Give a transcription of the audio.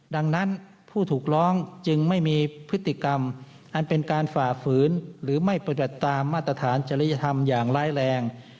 ดังนั้นผู้ถูกร้องจึงไม่มีพฤติกรรมอันเป็นการฝ่าฝืนหรือไม่ปฏิบัติตามมาตรฐานจริยธรรมอย่างร้ายแรง